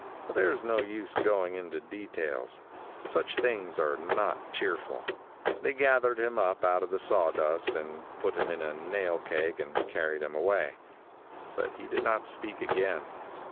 But there's no use going into details. Such things are not cheerful. They gathered him up out of the sawdust and put him in a nail keg and carried him away, but he did not speak again.